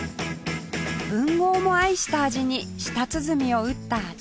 文豪も愛した味に舌鼓を打った純ちゃん